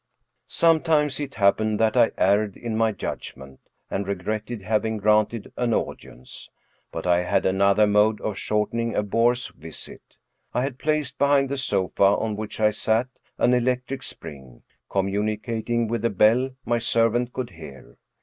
Sometimes it happened that I erred in my judgment, and regretted having granted an audience; but I had an other mode of shortening a bore's visit. I had placed be hind the sofa on which I sat an electric spring, communi cating with a bell my servant could hear.